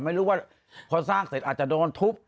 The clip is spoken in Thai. ไม่รู้ว่าพอสร้างเสร็จอาจจะโดนทุบ